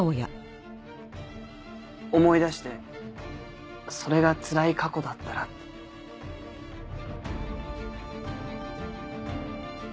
思い出してそれがつらい過去だったらって。